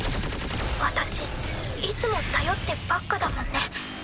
私いつも頼ってばっかだもんね。